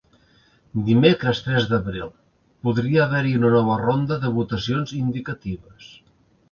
Dimecres tres d’abril: Podria haver-hi una nova ronda de votacions indicatives.